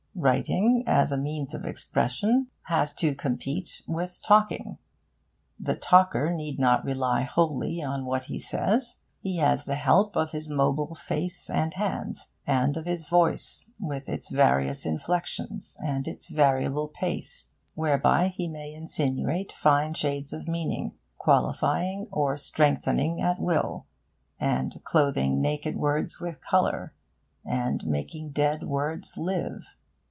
Writing, as a means of expression, has to compete with talking. The talker need not rely wholly on what he says. He has the help of his mobile face and hands, and of his voice, with its various inflexions and its variable pace, whereby he may insinuate fine shades of meaning, qualifying or strengthening at will, and clothing naked words with colour, and making dead words live.